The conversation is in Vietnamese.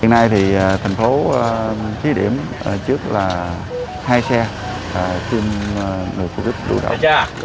hiện nay thì thành phố trí điểm trước là hai xe tìm người phục vụ đủ đội